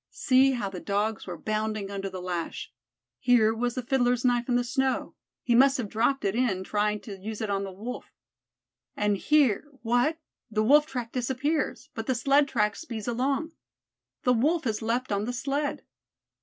See how the Dogs were bounding under the lash. Here was the Fiddler's knife in the snow. He must have dropped it in trying to use it on the Wolf. And here what! the Wolf track disappears, but the sled track speeds along. The Wolf has leaped on the sled.